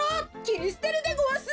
きりすてるでごわす。